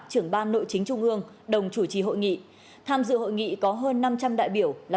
trưởng ban nội chính trung ương đồng chủ trì hội nghị tham dự hội nghị có hơn năm trăm linh đại biểu là